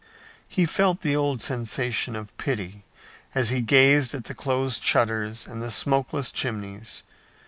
He felt the old sensation of pity as he gazed at the closed shutters and the smokeless chimneys.